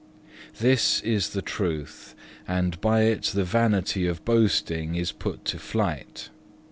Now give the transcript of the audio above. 3. "This is the Truth, and by it the vanity of boasting is put to flight.